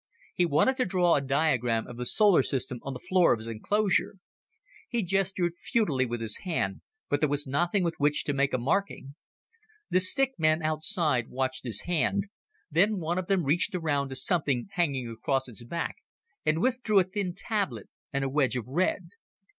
He wanted to draw a diagram of the solar system on the floor of his enclosure. He gestured futilely with his hand, but there was nothing with which to make a marking. The stick men outside watched his hand, then one of them reached around to something hanging across its back and withdrew a thin tablet and a wedge of red.